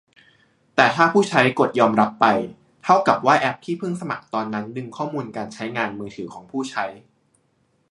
แต่ถ้าผู้ใช้กดยอมรับไป เท่ากับว่าแอปที่เพิ่งสมัครตอนนั้นดึงข้อมูลการใช้งานมือถือของผู้ใช้